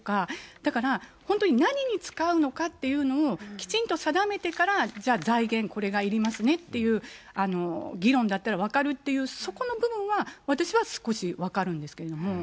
だから、本当に何に使うのかっていうのをきちんと定めてから、じゃあ、財源これがいりますねっていう議論だったら分かるっていう、そこの部分は、私は少し分かるんですけれども。